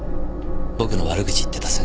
僕の悪口言ってた先生。